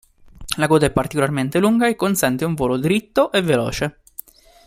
La coda è particolarmente lunga e consente un volo dritto e veloce.